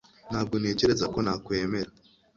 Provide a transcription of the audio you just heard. Ntabwo ntekereza ko nakwemera